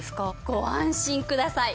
ご安心ください。